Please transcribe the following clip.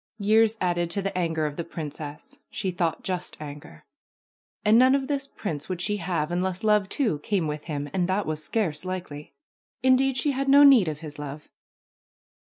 Years added to the anger of the princess; she thought just anger. And none of this prince would she have unless love, too, came with him, and that was scarce likely. Indeed, she had no need of his love